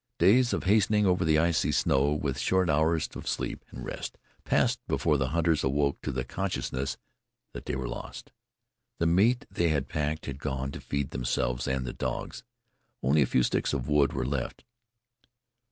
Days of hastening over the icy snow, with short hours for sleep and rest, passed before the hunters awoke to the consciousness that they were lost. The meat they had packed had gone to feed themselves and the dogs. Only a few sticks of wood were left.